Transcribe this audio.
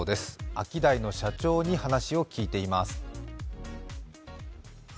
アキダイの社長に話を聞いています。